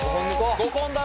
５本だろ？